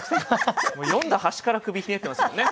もう読んだ端から首ひねってますもんね。